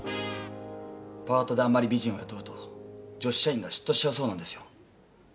パートであんまり美人を雇うと女子社員が嫉妬しちゃうそうなんですよ。